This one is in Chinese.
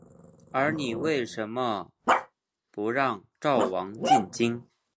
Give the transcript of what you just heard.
而你为甚么不让赵王进京？